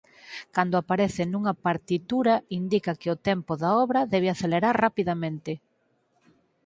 Cando aparece nunha partitura indica que o tempo da obra debe acelerar rapidamente.